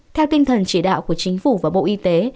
theo tinh thần chỉ đạo của chính phủ và bộ y tế